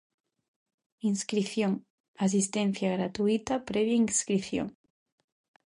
Inscrición: Asistencia gratuíta previa inscrición.